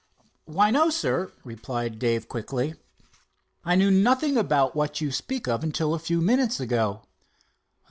"Why, no, sir," said Dave quickly. "I knew nothing about what you speak of until a few minutes ago."